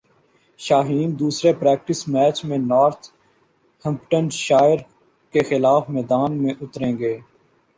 شاہین دوسرے practice match میں Northamptonshire کیخلاف میدان میں اتریں گے